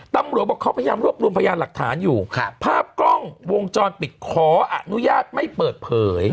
ตำรวจบอกเขาพยายามรวบรวมพยานหลักฐานอยู่ภาพกล้องวงจรปิดขออนุญาตไม่เปิดเผย